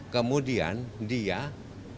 kemudian dia mencari